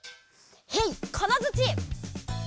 へいかなづち。